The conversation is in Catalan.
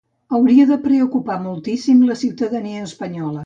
Hauria de preocupar moltíssim la ciutadania espanyola.